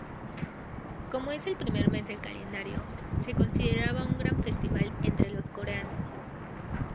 Como es primer mes del calendario, se consideraba un gran festival entre los coreanos.